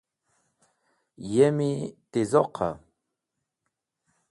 Yemi ti zoqa?